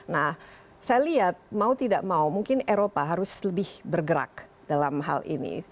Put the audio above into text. nah saya lihat mau tidak mau mungkin eropa harus lebih bergerak dalam hal ini